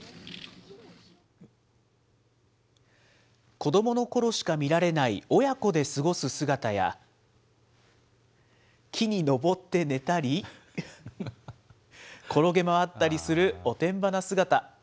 子どものころしか見られない親子で過ごす姿や、木に登って寝たり、転げ回ったりするおてんばな姿。